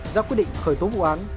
giác quyết định khởi tố vụ án